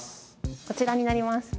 こちらになります。